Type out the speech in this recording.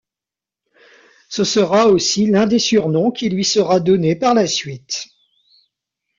Ce sera aussi l'un des surnoms qui lui sera donné par la suite.